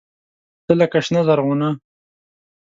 تۀ لکه “شنه زرغونه”